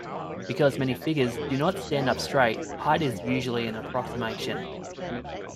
Because many figures do not stand up straight, height is usually an approximation.